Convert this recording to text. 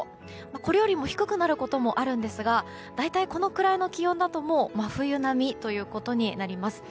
これよりも低くなることもあるんですが大体このくらいの気温だと真冬並みになります。